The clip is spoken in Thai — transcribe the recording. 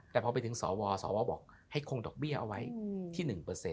แต่พอไปถึงสวสวบอกให้คงดอกเบี้ยเอาไว้ที่๑